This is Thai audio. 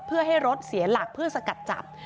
เพื่อให้รถเสียหลักเพื่อสกัดจับ